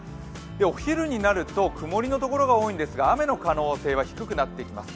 お昼になると曇りのところが多いんですが雨の可能性は低くなってきます。